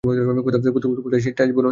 কোথায় সেই ঠাস-বুনোনি?